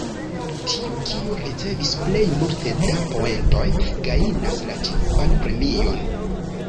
Tiu, kiu ricevis plej multe da poentoj, gajnas la ĉefan premion.